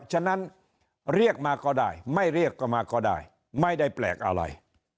ฉะนั้นเรียกมาก็ได้ไม่เรียกก็มาก็ได้ไม่ได้แปลกอะไร